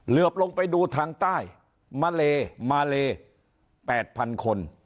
เหลือบลงไปดูทางใต้มาเลมาเล๘๐๐๐คน